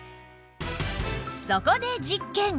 そこで実験